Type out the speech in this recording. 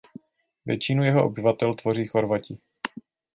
Většinu jeho obyvatel tvoří Chorvati.